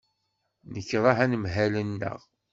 Nekṛeh anemhal-nneɣ.